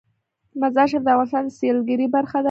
مزارشریف د افغانستان د سیلګرۍ برخه ده.